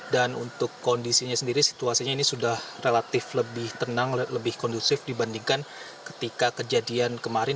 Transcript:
dan untuk kondisinya sendiri situasinya ini sudah relatif lebih tenang lebih kondusif dibandingkan ketika kejadian kemarin